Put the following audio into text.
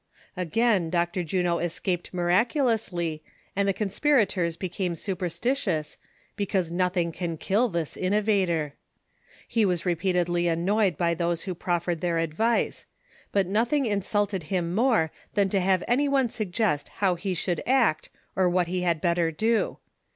Again Dr. Juno escaped miraculously, and the conspira tors became superstitious, because nothing can kill this innovator. He was repeatedly annoyed by those who I)roffered their advice ; but nothing insulted him more than to have any one suggest how he should act or what he had better do.